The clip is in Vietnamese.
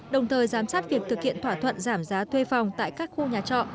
đồng thời giám sát việc thực hiện thỏa thuận giảm giá thuê phòng tại các khu nhà trọ